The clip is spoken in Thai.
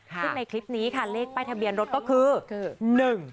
ซึ่งในคลิปนี้ค่ะเลขป้ายทะเบียนรถก็คือ